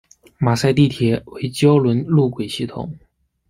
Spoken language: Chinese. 马赛地铁为胶轮路轨系统。